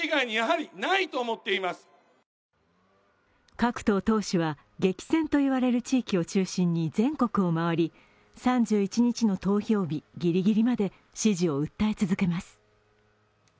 各党党首は激戦と言われる地域を中心に全国を回り３１日の投票日ぎりぎりまで支持を訴え続けます。